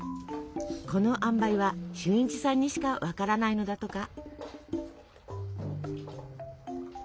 このあんばいは俊一さんにしか分からないのだとか。